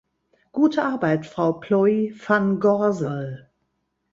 Gute Arbeit, Frau Plooij-van Gorsel!